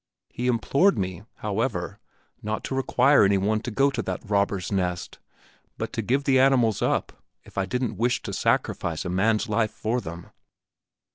He implored me, however, not to require any one to go to that robber's nest, but to give the animals up if I didn't wish to sacrifice a man's life for them."